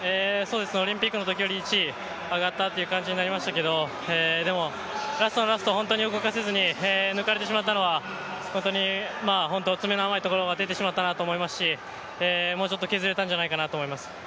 オリンピックのときより１位上がったという感じになりましたけどでも、ラストのラスト、本当に動かせずに抜かれてしまったのは詰めの甘いところが出てしまったなと思いますしもうちょっと削れたんじゃないかなと思います。